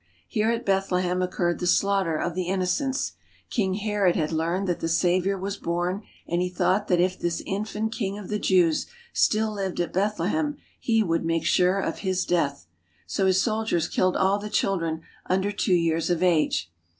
Here at Bethlehem occurred the slaughter of the in nocents. King Herod had learned that the Saviour was born, and he thought that if this infant King of the Jews still lived at Bethlehem he would make sure of His death. So his soldiers killed all the children under two years of age.